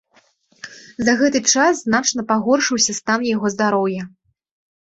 За гэты час значна пагоршыўся стан яго здароўя.